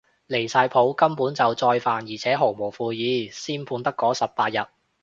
離晒譜，根本就再犯而且毫無悔意，先判得嗰十八日